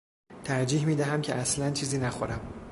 ترجیح میدهم که اصلا چیزی نخورم.